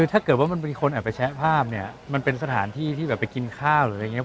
ถ้าเกิดว่ามันมีคนแอบไปแชะภาพเนี่ยมันเป็นสถานที่ที่แบบไปกินข้าวหรืออะไรอย่างนี้